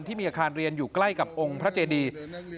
ที่มีอาคารเรียนอยู่ใกล้กับพระเจดีธาตุ